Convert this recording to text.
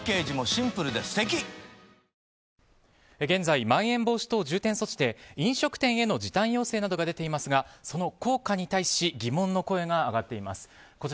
現在、まん延防止等重点措置で飲食店への時短要請などが出ていますがその効果に対し疑問の声が上がっています。